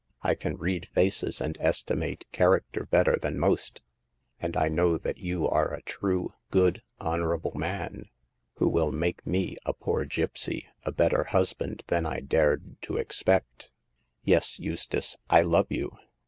I can read faces and estimate character better than most, and I know that you are a true, good, honorable man, who will make me, a poor gipsy, a better husband than I dared to expect. Yes, Eustace, I love you.